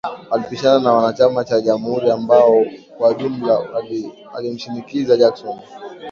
Walipishana na wanachama cha jamhuri ambao kwa ujumla walimshinikiza Jackson